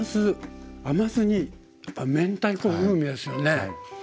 甘酢にやっぱ明太子風味ですよね。